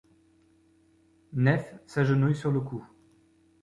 Nehf s’agenouille sur le coup.